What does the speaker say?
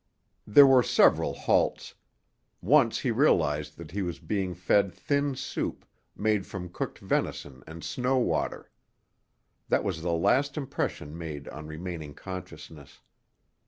There were several halts. Once he realised that he was being fed thin soup, made from cooked venison and snow water. That was the last impression made on remaining consciousness.